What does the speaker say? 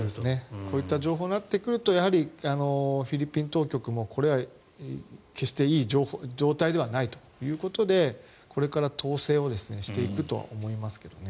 こういった情報があるとフィリピン当局もこれは決していい状態ではないということでこれから統制をしていくと思いますけどね。